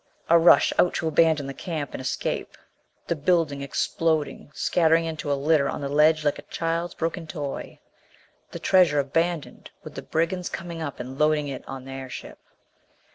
A rush out to abandon the camp and escape. The building exploding, scattering into a litter on the ledge like a child's broken toy. The treasure abandoned, with the brigands coming up and loading it on their ship.